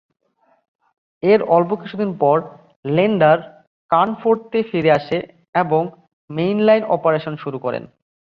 এর অল্প কিছুদিন পর, "লেন্ডার" কার্নফোর্থে ফিরে আসে এবং মেইনলাইন অপারেশন শুরু করে।